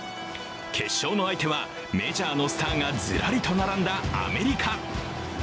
決勝の相手は、メジャーのスターがずらりと並んだアメリカ。